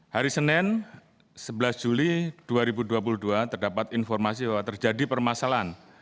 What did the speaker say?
hari senin sebelas juli dua ribu dua puluh dua terdapat informasi bahwa terjadi permasalahan